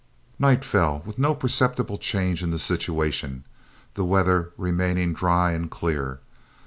Night fell with no perceptible change in the situation, the weather remaining dry and clear.